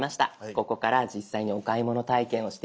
ここから実際にお買い物体験をしていきましょう。